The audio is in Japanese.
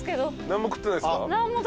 何も食べてないです。